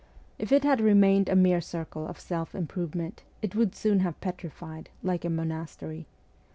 If it had remained a mere circle of self improvement, it would soon have petrified, like a monastery.